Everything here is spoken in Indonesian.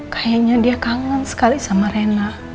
kayaknya dia kangen sekali sama rena